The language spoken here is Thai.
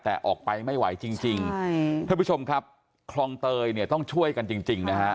แต่ออกไปไม่ไหวจริงจริงท่านผู้ชมครับคลองเตยเนี่ยต้องช่วยกันจริงจริงนะฮะ